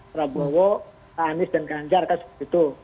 prabowo anies dan ganjar kan seperti itu